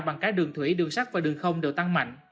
bằng cái đường thủy đường sắt và đường không đều tăng mạnh